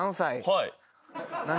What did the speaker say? はい。